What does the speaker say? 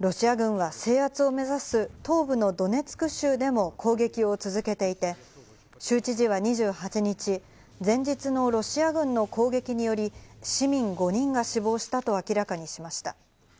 ロシア軍は制圧を目指す東部のドネツク州でも攻撃を続けていて、州知事は２８日、前日のロシア軍の攻撃により市民５人が死亡したと明らかにしました。